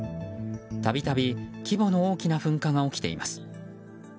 たびたび規模の大きな噴火が起きています。